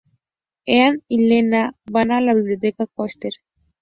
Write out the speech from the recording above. Ethan y Lena van a la Biblioteca Caster.